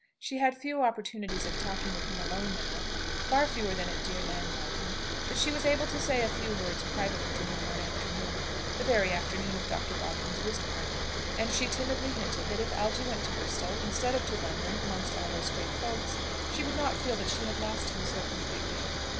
She had few opportunities of talking with him alone now far fewer than at dear Llanryddan; but she was able to say a few words privately to him one afternoon (the very afternoon of Dr. Bodkin's whist party), and she timidly hinted that if Algy went to Bristol, instead of to London amongst all those great folks, she would not feel that she had lost him so completely.